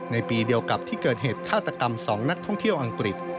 ในปีเดียวกับที่เกิดเหตุฆาตกรรม๒นักท่องเที่ยวอังกฤษ